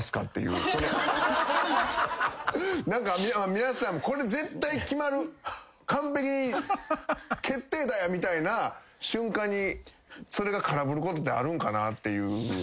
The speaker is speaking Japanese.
皆さんもこれ絶対決まる完璧決定打やみたいな瞬間にそれが空振ることってあるんかなっていう。